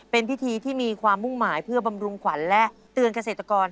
เป็นพิธีที่มีความมุ่งหมายเพื่อบำรุงขวัญและเตือนเกษตรกร